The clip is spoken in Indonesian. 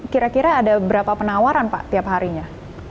kira kira ada berapa penawaran pak tiap harinya